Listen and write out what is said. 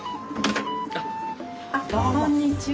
こんにちは。